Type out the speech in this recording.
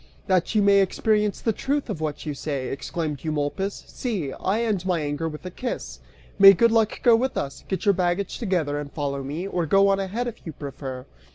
"That you may experience the truth of what you say," exclaimed Eumolpus, "see! I end my anger with a kiss. May good luck go with us! Get your baggage together and follow me, or go on ahead, if you prefer."